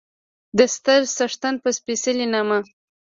د ستر څښتن په سپېڅلي نامه